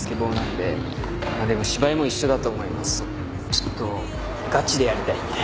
ちょっとガチでやりたいんで。